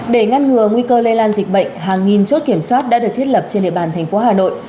để ngăn ngừa nguy cơ lây lan dịch bệnh hàng nghìn chốt kiểm soát đã được thiết lập trên địa bàn thành phố hà nội